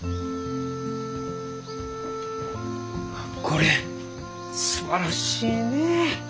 これすばらしいね。